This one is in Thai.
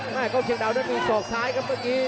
กล้องเชียงดาวนั้นมีศอกซ้ายครับเมื่อกี้